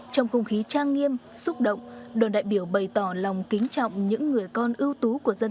trong không khí trang nghiêm xúc động đoàn đại biểu bày tỏ lòng kính trọng những người con ưu tú của dân